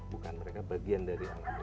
bukan mereka bagian dari alam